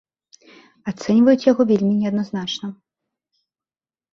Ацэньваюць яго вельмі неадназначна.